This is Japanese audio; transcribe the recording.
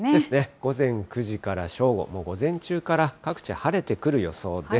午前９時から正午、もう午前中から各地、晴れてくる予想です。